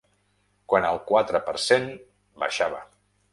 Quan el quatre per cent baixava